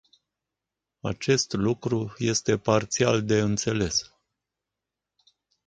Acest lucru este parțial de înțeles.